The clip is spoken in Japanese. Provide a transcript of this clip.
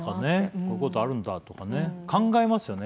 こういうことあるんだとかね考えますよね